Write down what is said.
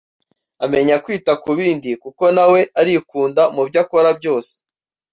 amenya kwita ku bandi kuko nawe arikunda mu byo akora byose